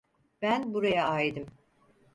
Ben buraya aidim.